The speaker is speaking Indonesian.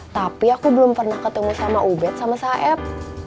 tapi aku belum pernah ketemu sama ubed sama saib